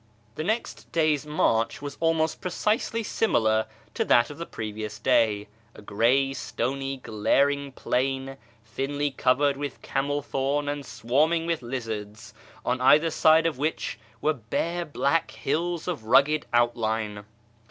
The next day's march was almost precisely similar to that of the previous day — a gray, stony, glaring plain (thinly covered with camel thorn and swarming with lizards), on either side of which were bare black hills of rugged outline.